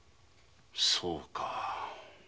そうか。